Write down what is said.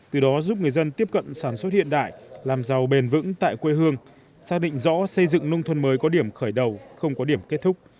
từ đó giúp người dân tiếp cận sản xuất hiện đại làm giàu bền vững tại quê hương xác định rõ xây dựng nông thôn mới có điểm khởi đầu không có điểm kết thúc